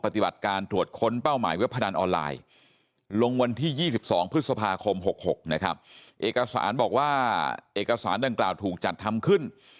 ที่๒๒พฤษภาคม๖๖เนี่ยครับเอกสารบอกว่าเอกสารดังกล่าวถูกจัดทำขึ้น